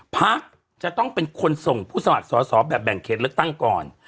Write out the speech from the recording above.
พักจะต้องเป็นคนส่งผู้สมัครสอสอแบบแบ่งเขตเลือกตั้งก่อน